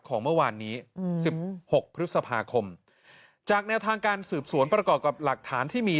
ของเมื่อวานนี้๑๖พฤษภาคมจากแนวทางการสืบสวนประกอบกับหลักฐานที่มี